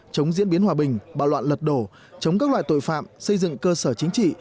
chống diễn biến hòa bình bạo loạn lật đổ chống các loại tội phạm xây dựng cơ sở chính trị